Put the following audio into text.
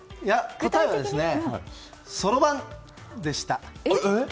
答えはそろばんでした。